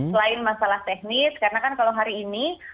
selain masalah teknis karena kan kalau hari ini